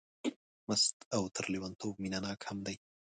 مست او تر لېونتوب مینه ناک هم دی.